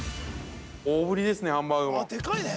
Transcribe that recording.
◆大ぶりですね、ハンバーグも。